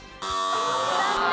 残念。